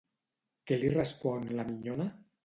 Què li respon la minyona?